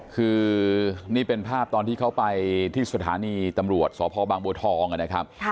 คือนี่เป็นภาพตอนที่เขาไปที่สถานีตำรวจสพบางบัวทองนะครับ